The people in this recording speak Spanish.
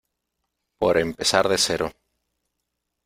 por empezar de cero.